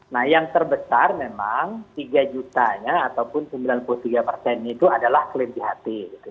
nah yang terbesar memang tiga jutanya ataupun sembilan puluh tiga persen itu adalah klaim jht